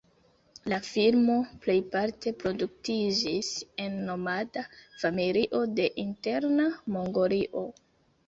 La filmo plejparte produktiĝis en nomada familio de Interna Mongolio.